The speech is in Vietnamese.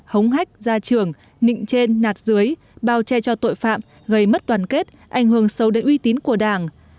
hống hách ra trường nịnh trên nạt dưới bao che cho tội phạm gây mất đoàn kết ảnh hưởng sâu đến uy tín của đảng